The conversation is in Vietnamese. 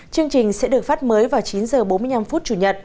chương trình sẽ được phát mới vào chín h bốn mươi năm phút chủ nhật